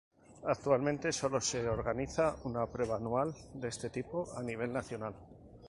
Actualmente solo se organiza una prueba anual de este tipo a nivel nacional.